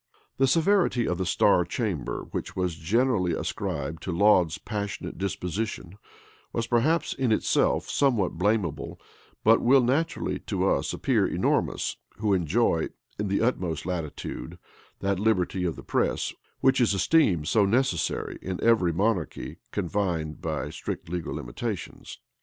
The severity of the star chamber, which was generally ascribed to Laud's passionate disposition, was, perhaps, in itself somewhat blamable; but will naturally, to us, appear enormous, who enjoy, in the utmost latitude, that liberty of the press, which is esteemed so necessary in every monarchy, confined by strict legal limitations.